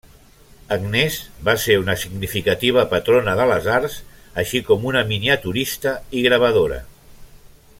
Agnès va ser una significativa patrona de les arts, així com una miniaturista i gravadora.